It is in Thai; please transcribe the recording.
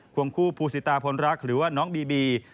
วงคู่ภูสิตาพลรักหรือว่าน้องบีบี